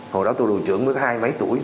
hồi đó tôi đồ trưởng mới hai mấy tuổi